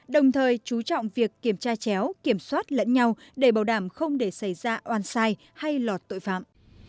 đồng thời chú trọng việc kiểm tra chéo kiểm soát lẫn nhau để bảo đảm không để xảy ra oan sai hay lọt tội phạm